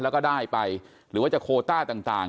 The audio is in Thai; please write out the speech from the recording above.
แล้วก็ได้ไปหรือว่าจะโคต้าต่าง